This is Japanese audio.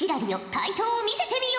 回答を見せてみよ。